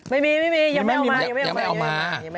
ไม่มียังไม่เอามา